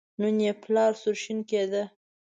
نن یې پلار سور شین کېده.